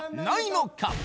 ないのか？